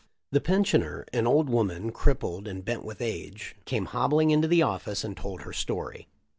The pensioner, an old woman crippled and bent with age, came hobbling into the office and told her story.